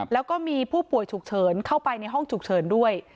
แล้วก็มีผู้ป่วยฉุกเฉินเข้าไปในห้องฉุกเฉินด้วย